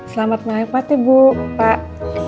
selamat malam pati bu pak